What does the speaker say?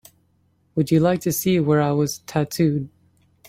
Would you like to see where I was tattooed?